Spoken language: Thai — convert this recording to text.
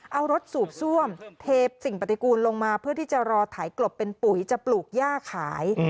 เอารถสูบซ่วมเทสิ่งปฏิกูลลงมาเพื่อที่จะรอถ่ายกลบเป็นปุ๋ยจะปลูกย่าขาย